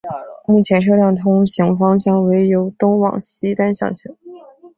目前车辆通行方向为由东往西单向通行。